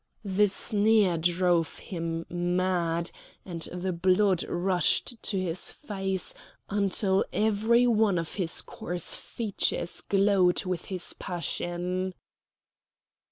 The sneer drove him mad, and the blood rushed to his face, until every one of his coarse features glowed with his passion.